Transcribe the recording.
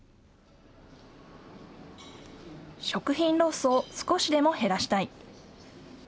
食品ロスを少しでも減らしたい。